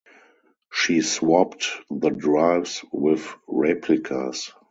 She swapped the drives with replicas.